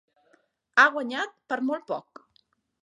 Ha guanyat per molt poc.